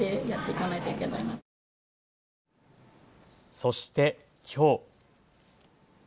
そして、きょう。